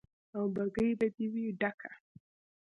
او بګۍ به دې وي ډکه